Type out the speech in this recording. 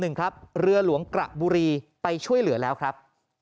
ซึ่งขณะนี้กำลังดำเนินการอุปกรรมคล้ำจุนอยู่ครับ